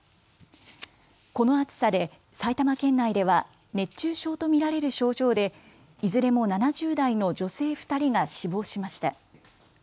この暑さで埼玉県内では熱中症と見られる症状でいずれも７０代の女性２人が死亡しました。